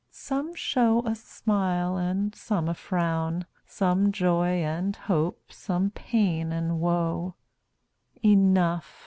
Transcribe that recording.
Some show a smile and some a frown; Some joy and hope, some pain and woe: Enough!